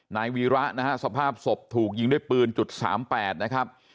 นายวีระนะฮะสภาพศพถูกยิงด้วยปืน๓๘นะครับ